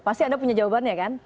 pasti anda punya jawabannya kan